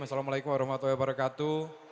assalamualaikum warahmatullahi wabarakatuh